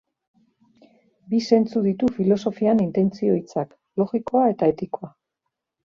Bi zentzu ditu filosofian intentzio hitzak: logikoa eta etikoa.